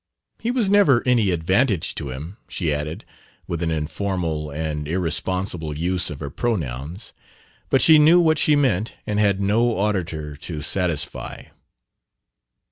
He was never any advantage to him," she added, with an informal and irresponsible use of her pronouns. But she knew what she meant and had no auditor to satisfy.